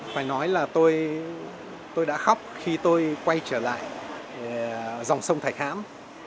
phải nói là tôi đã khóc khi tôi quay trở lại dòng sông thạch hãm